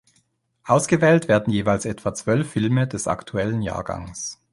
Ausgewählt werden jeweils etwa zwölf Filme des aktuellen Jahrgangs.